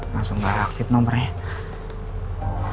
langsung gak ada aktif nomernya